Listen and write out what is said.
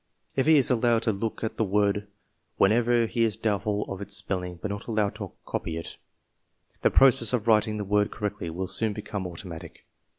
If he is allowed to look at the word whenever he is doubtful of its spelling but not allowed to copy it, the process of writing the word correctly will soon become automatic.